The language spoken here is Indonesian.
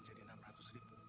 terima kasih bu